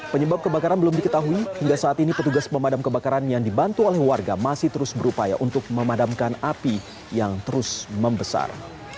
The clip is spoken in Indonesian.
penyebab kebakaran belum diketahui hingga saat ini petugas pemadam kebakaran yang dibantu oleh warga masih terus berupaya untuk memadamkan api yang terus membesar